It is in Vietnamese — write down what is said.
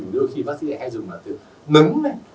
đôi khi bác sĩ hay dùng là từ nứng lên